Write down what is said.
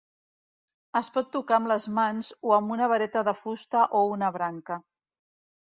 Es pot tocar amb les mans o amb una vareta de fusta o una branca.